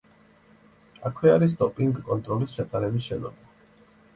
აქვე არის დოპინგ კონტროლის ჩატარების შენობა.